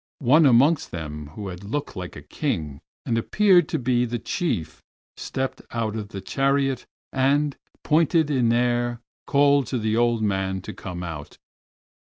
One amongst them who looked like a king and appeared to be the chief stepped out of the chariot, and, poised in air, called to the old man to come out.